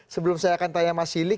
sebelum saya akan tanya mas sili